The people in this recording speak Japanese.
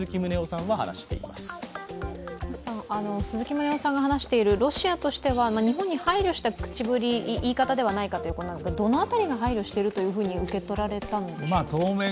鈴木宗男さんが話しているロシアとしては日本に配慮した口ぶり言い方ではないということですが、どの辺りが配慮していると受け取られたんでしょう？